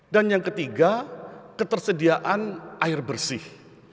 dan yang ketiga ketersediaan air bersih